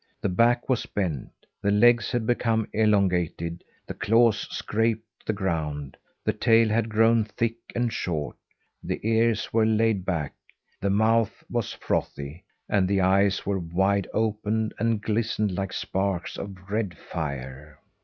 The back was bent; the legs had become elongated; the claws scraped the ground; the tail had grown thick and short; the ears were laid back; the mouth was frothy; and the eyes were wide open and glistened like sparks of red fire.